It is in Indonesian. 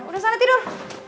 udah sana tidur